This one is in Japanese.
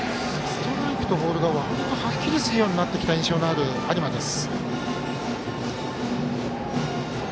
ストライクとボールがはっきりするようになった印象がある有馬です。